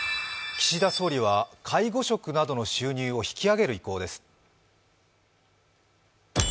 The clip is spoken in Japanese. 岸田総理は介護職などの収入を引き上げる意向です。